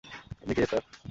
আপনি কে, স্যার?